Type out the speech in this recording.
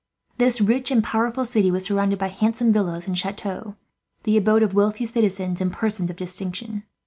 This rich and powerful city was surrounded by handsome villas and chateaux, the abode of wealthy citizens and persons of distinction.